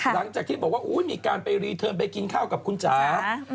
หลังจากที่บอกว่ามีการไปรีเทิร์นไปกินข้าวกับคุณจ๋า